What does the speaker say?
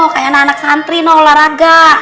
kayak anak anak santri mau olahraga